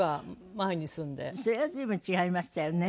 それは随分違いましたよね。